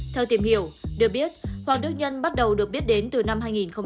theo tìm hiểu được biết hoàng đức nhân bắt đầu được biết đến từ năm hai nghìn một mươi